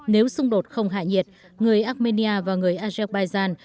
nếu xung đột không hạ nhiệt người armenia và người azerbaijan